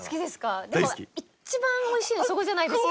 でも一番美味しいのそこじゃないですか。